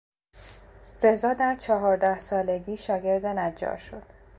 رضا در چهارده سالگی شاگرد نجار شد.